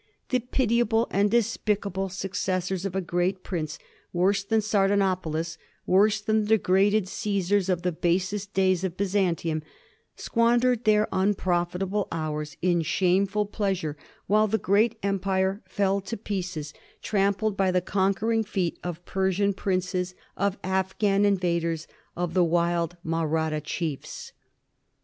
The pitiable and despicable suc cessors of a great prince, worse than Sardanapalus, worse than the degraded Csesars of the basest days of Byzantium, squandered their unprofitable hours in shameful pleas ure while the great empire fell to pieces, trampled by the 258 A HISTORY OF tHE FOUB GEORGES. ch.zzztii1 conquering feet of Persian princes, of Afghan invaders, of wild Mahratta chiefs.